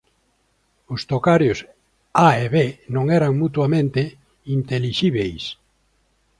Os tocarios A e B non eran mutuamente intelixíbeis.